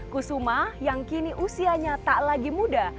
kusuma yang kini usianya tak lagi muda